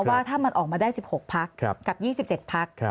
ว่าถ้ามันออกมาได้๑๖พักกับ๒๗พัก